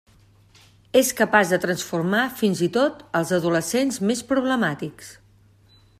És capaç de transformar fins i tot als adolescents més problemàtics.